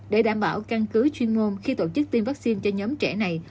để đảm bảo căn cứ chuyên môn khi tổ chức tiêm vaccine cho nhóm trẻ này